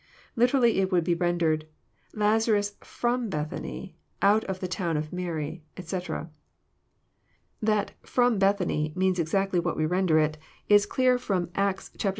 Literally it would be rendered, "Lazarus /row Bethany, oiU of the town of Mary," etc. That " from " Bethany means exactly what we render it, is 236 EXPOsnoRY thoughts.